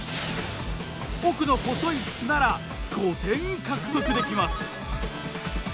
奥の細い筒なら５点獲得できます。